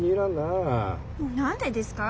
何でですか？